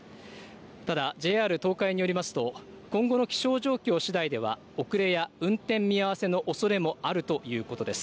ただＪＲ東海によりますと今後の気象状況しだいでは遅れや運転見合わせのおそれもあるということです。